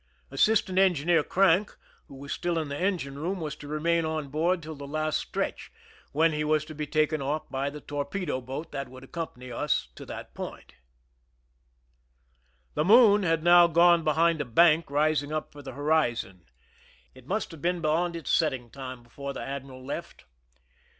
Assistant Engineer Crank, who was still in the engine room, was to remain on board till the last stretch, when he was to be taken off by the torpedo boat that would accompany us to that point. The moon had now gone behind a bank rising up from the horizon; it must have been beyond its 58 TTIE O.Oul> By TO AD:\[rKAli SAIIPSOX, I THE SCHEME AND THE PREPARATIONS I setting time before the admiral left.